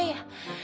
eh iya berapa nih